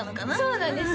そうなんです